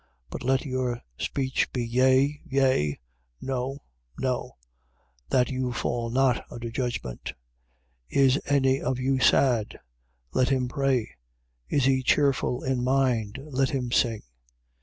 But let your speech be: Yea, Yea: No, No: that you fall not under judgment. 5:13. Is any of you sad? Let him pray: Is he cheerful in mind? Let him sing.